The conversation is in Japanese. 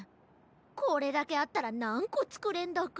これだけあったらなんこつくれんだか。